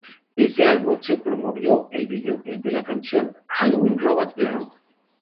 De este álbum se promovió el videoclip de la canción "Halloween Robot Girl".